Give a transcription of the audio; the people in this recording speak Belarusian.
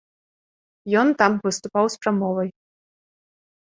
Ён там выступаў з прамовай.